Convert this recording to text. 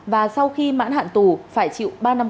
và sau khi mãn hạn tù phải chịu ba năm tù